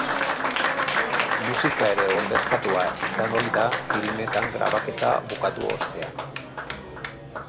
Musika ere ordezkatua izan ohi da filmetan grabaketa bukatu ostean.